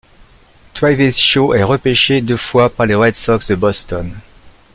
Travis Shaw est repêché deux fois par les Red Sox de Boston.